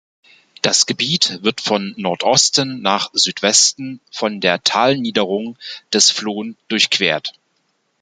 Das Gebiet wird von Nordosten nach Südwesten von der Talniederung des "Flon" durchquert.